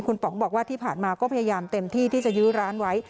คุณป๋องบอกว่าที่ผ่านมาก็พยายามเต็มที่ที่จะยื้อร้านไว้